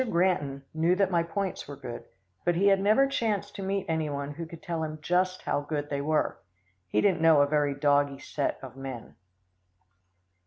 Granton knew that my points were good, but he had never chanced to meet any one who could tell him just how good they were. He didn't know a very doggy set of men.